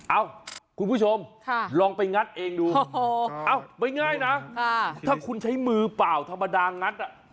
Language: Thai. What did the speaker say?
เอ้าคุณผู้ชมลองไปงัดเองดูไม่ง่ายนะถ้าคุณใช้มือเปล่าธรรมดางัดอ่ะ